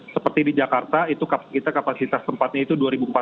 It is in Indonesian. seperti di jakarta kapasitas tempatnya itu dua ribu empat ratus